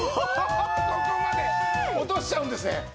ここまで落としちゃうんですね。